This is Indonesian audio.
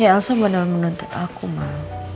ya elsa benar benar menuntut aku mak